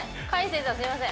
すいません